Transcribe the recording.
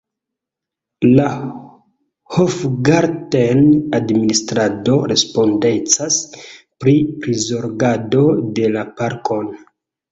La Hofgarten-administrado respondecas pri prizorgado de la parkon.